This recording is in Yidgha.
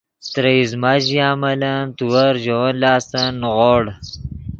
ترے ایزمہ ژیا ملن تیور ژے ون لاستن نیغوڑ